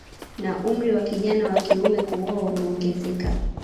Na umri wa kijana wa kiume kuoa umeongezeka